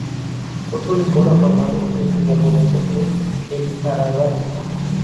Otro licor afamado entre la población es el Ararat.